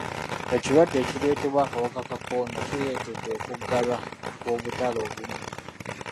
Ekirwadde ekireetebwa akawuka ka kolona kireetedde okuggalwa kw'obutale obumu.